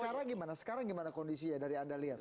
sekarang gimana sekarang gimana kondisinya dari anda lihat